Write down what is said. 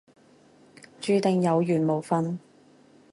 注定有緣冇瞓